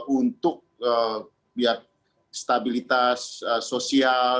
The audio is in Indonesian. untuk biar stabilitas sosial